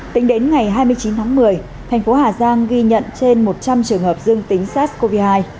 tính đến ngày hai mươi chín tháng một mươi thành phố hà giang ghi nhận trên một trăm linh trường hợp dương tính sars cov hai